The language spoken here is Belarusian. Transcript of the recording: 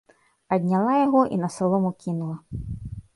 Адняла яго і на салому кінула.